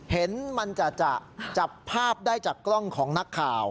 เห็นมันจะจับภาพได้จากกล้องของนักข่าว